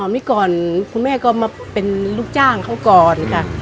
อ๋อนี่ก่อนคุณแม่ก็มาเป็นลูกจ้างข้าวก่อนค่ะ